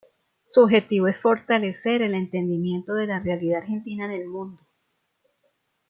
Su objetivo es fortalecer el entendimiento de la realidad argentina en el mundo.